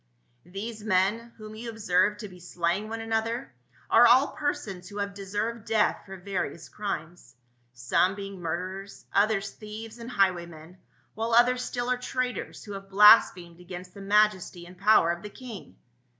" These men, whom you observe to be slaying one another, are all persons who have deserved death for various crimes, some being murderers, others thieves and highway men, while others still are traitors, who have blas phemed against the majesty and power of the king.